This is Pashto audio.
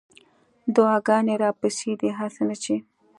دعاګانې راپسې دي هسې نه چې